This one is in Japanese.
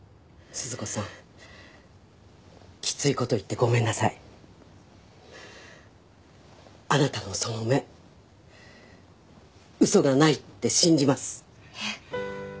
鈴子さんきついこと言ってごめんなさいあなたのその目ウソがないって信じますええ